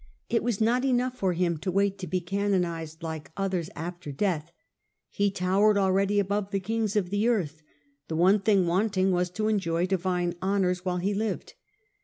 It was not enough for divine^ him to wait to be canonized like others after honours. death. He towered already above the kings of the earth ; the one thing wanting was to enjoy divine honours while he lived.